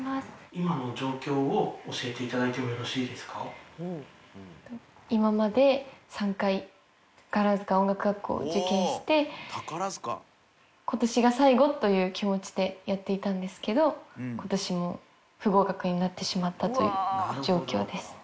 今の状況を教えていただいて今まで３回、宝塚音楽学校を受験して、ことしが最後という気持ちでやっていたんですけど、ことしも不合格になってしまったという状況です。